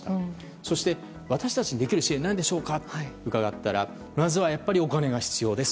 そして私たちにできる支援は何でしょうかと伺ったらまずはやっぱりお金が必要です。